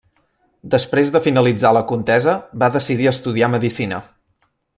Després de finalitzar la contesa va decidir estudiar Medicina.